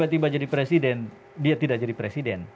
tiba tiba jadi presiden dia tidak jadi presiden